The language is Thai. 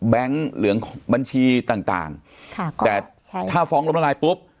แบงค์เหลืองบัญชีต่างแต่ถ้าฟ้องล้มละลายปุ๊บ